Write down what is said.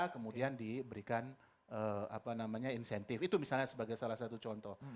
kemudian diberikan insentif itu misalnya sebagai salah satu contoh